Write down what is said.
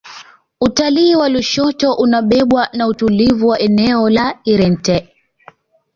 utalii wa lushoto unabebwa na utulivu wa eneo la irente